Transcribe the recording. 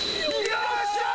よっしゃー！